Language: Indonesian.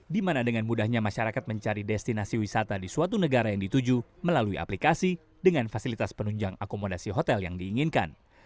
di mana dengan mudahnya masyarakat mencari destinasi wisata di suatu negara yang dituju melalui aplikasi dengan fasilitas penunjang akomodasi hotel yang diinginkan